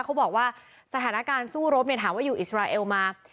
เขาบอกว่าสถานการณ์สู้รบถามว่าอยู่อิสราเอลมา